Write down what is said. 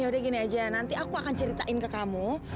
yaudah gini aja nanti aku akan ceritain ke kamu